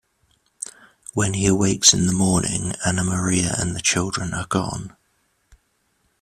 When he awakes in the morning, Ana Maria and the children are gone.